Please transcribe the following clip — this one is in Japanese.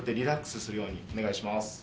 お願いします。